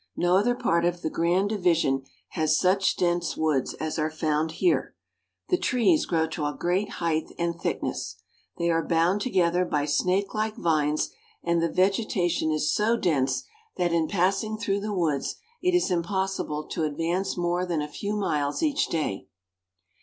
No other part of the grand division has such dense woods as are found here. The trees grow to a great height and thickness. They are bound together by snakelike vines, and the vegetation is so dense that in THE FORESTS. 349 passing through the woods it is impossible to advance more Ihan a few miles each day.